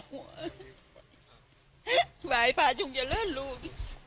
ไหวฟ้าจงจะเลิกลูก